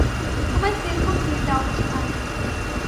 তোমায় cell phone কিনে দেয়া উচিৎ হয়নি।